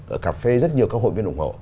ở cà phê rất nhiều các hội viên ủng hộ